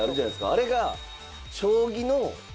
あれが。